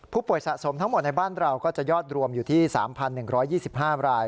สะสมทั้งหมดในบ้านเราก็จะยอดรวมอยู่ที่๓๑๒๕ราย